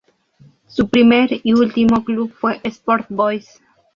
Su primer y último club fue Sport Boys.